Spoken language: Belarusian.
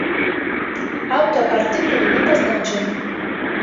Аўтар артыкулу не пазначаны.